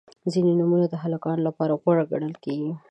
• ځینې نومونه د هلکانو لپاره غوره ګڼل کیږي.